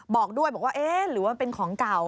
บอกด้วยบอกว่าเอ๊ะหรือว่ามันเป็นของเก่า